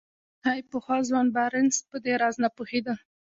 ښايي پخوا ځوان بارنس په دې راز نه پوهېده.